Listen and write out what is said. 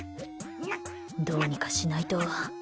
どうにかしないと。